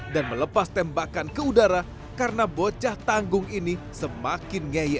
dan melepas tembakan ke udara karena bocah tanggung ini semakin ngeyel